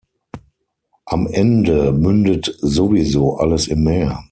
Am Ende mündet sowieso alles im Meer.